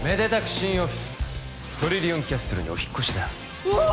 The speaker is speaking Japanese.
新オフィストリリオンキャッスルにお引っ越しだうわ！